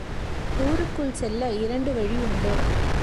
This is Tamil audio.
ஊருக்குள் செல்ல இரண்டு வழி உண்டு.